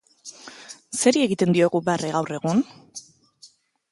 Zeri egiten diogu barre gaur egun?